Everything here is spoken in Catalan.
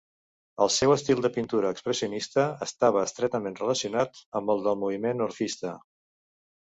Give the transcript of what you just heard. El seu estil de pintura expressionista estava estretament relacionat amb el del moviment orfista.